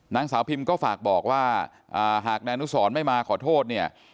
นางสาวพิมก็ฝากบอกว่าหากนายอนุสรไม่มาขอโทษเนี่ย